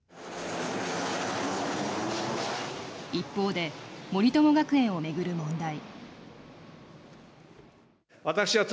一方で、森友学園を巡る問題。